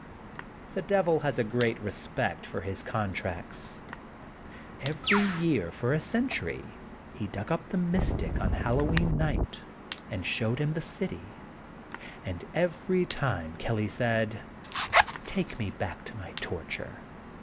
The Devil has a great respect for his con tracts. Every year, for a century he dug up the mystic on Hallowe'en night, and showed him the city, and every time Kelly said: Take me back to my torture.